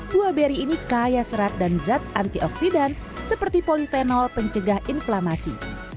buah beri ini kaya serat dan zat antioksidan seperti politenol pencegah inflamasi